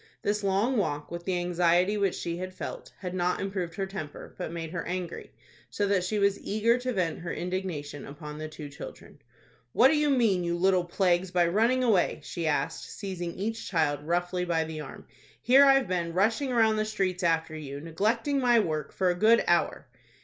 This long walk, with the anxiety which she had felt, had not improved her temper, but made her angry, so that she was eager to vent her indignation upon the two children. "What do you mean, you little plagues, by running away?" she asked, seizing each child roughly by the arm. "Here I've been rushing round the streets after you, neglecting my work, for a good hour."